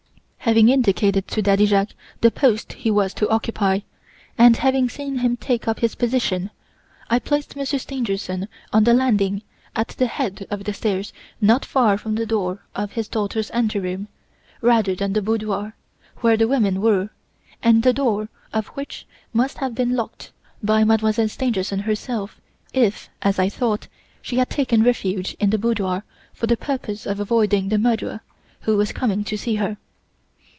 "Having indicated to Daddy Jacques the post he was to occupy, and having seen him take up his position, I placed Monsieur Stangerson on the landing at the head of the stairs not far from the door of his daughter's ante room, rather than the boudoir, where the women were, and the door of which must have been locked by Mademoiselle Stangerson herself if, as I thought, she had taken refuge in the boudoir for the purpose of avoiding the murderer who was coming to see her.